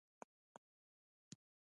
د افغانستان په کومو سیمو کې وریجې کرل کیږي؟